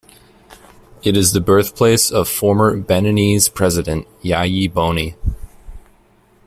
It is the birthplace of former Beninese president Yayi Boni.